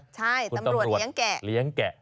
ใช่ตำรวจเลี้ยงแกะ